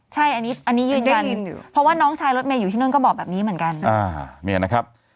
ใช่อันนี้ยืนยันเพราะว่าน้องชายรถเมย์อยู่ที่นั่นก็บอกแบบนี้เหมือนกัน